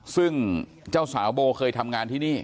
ซึ่งเจ้าสาวโบเคยทำงานที่นี่